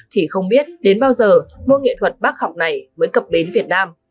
thì không biết đến bao giờ môn nghệ thuật bác học này mới cập đến việt nam